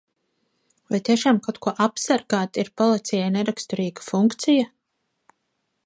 Vai tiešām kaut ko apsargāt ir policijai neraksturīga funkcija?